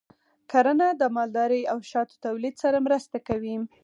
کرنه د مالدارۍ او شاتو تولید سره مرسته کوي.